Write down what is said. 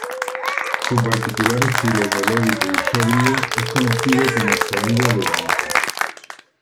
Su particular estilo, melódico y sobrio, es conocido como "Sonido Elegante".